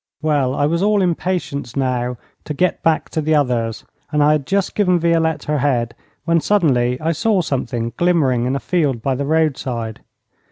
Well, I was all impatience now to get back to the others, and I had just given Violette her head, when suddenly I saw something glimmering in a field by the roadside.